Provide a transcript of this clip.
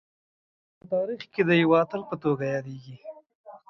نو په تاریخ کي د یوه اتل په توګه یادیږي